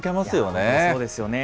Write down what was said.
本当、そうですよね。